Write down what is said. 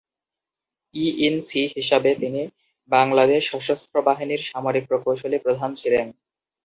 E-in-C হিসাবে তিনি বাংলাদেশ সশস্ত্র বাহিনীর সামরিক প্রকৌশলী প্রধান ছিলেন।